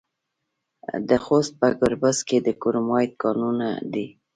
د خوست په ګربز کې د کرومایټ کانونه دي.